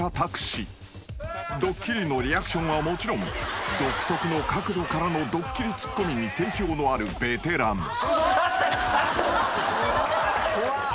［ドッキリのリアクションはもちろん独特の角度からのドッキリツッコミに定評のあるベテラン］